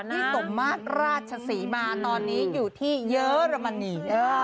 พี่สมมาศราชฌาษีมาตอนนี้อยู่ที่เยอรมนี